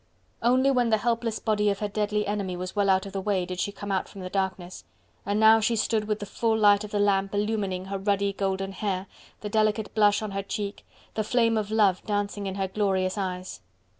Only when the helpless body of her deadly enemy was well out of the way did she come from out the darkness, and now she stood with the full light of the lamp illumining her ruddy golden hair, the delicate blush on her cheek, the flame of love dancing in her glorious eyes.